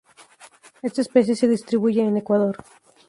Esta especie se distribuye en Ecuador.